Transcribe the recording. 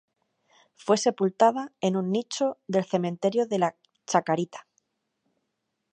Fue sepultada en un nicho del Cementerio de la Chacarita.